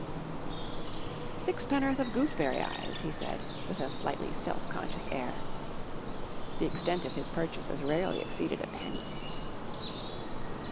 "Sixpennoth of Gooseberry Eyes," he said, with a slightly self conscious air. The extent of his purchases rarely exceeded a penny.